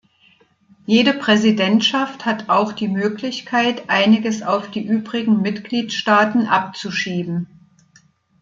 Jede Präsidentschaft hat auch die Möglichkeit, einiges auf die übrigen Mitgliedstaaten abzuschieben.